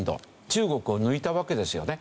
中国を抜いたわけですよね。